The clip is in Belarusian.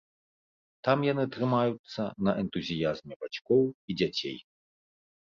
Там яны трымаюцца на энтузіязме бацькоў і дзяцей.